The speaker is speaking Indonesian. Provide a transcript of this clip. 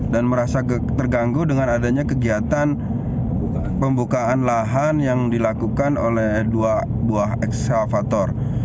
dan merasa terganggu dengan adanya kegiatan pembukaan lahan yang dilakukan oleh dua buah eskavator